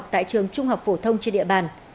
trường trung học phổ thông trên địa bàn